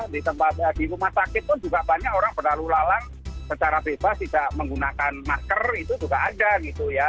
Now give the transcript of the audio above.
di rumah sakit pun juga banyak orang berlalu lalang secara bebas tidak menggunakan masker itu juga ada gitu ya